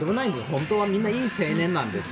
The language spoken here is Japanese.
本当はみんないい青年なんです。